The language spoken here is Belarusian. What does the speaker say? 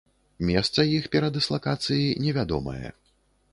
Месца іх перадыслакацыі невядомае.